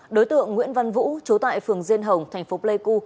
đối tượng nguyễn văn vũ chú tại phường diên hồng thành phố pleiku